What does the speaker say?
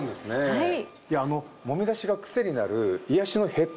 はい。